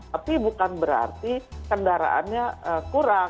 tapi bukan berarti kendaraannya kurang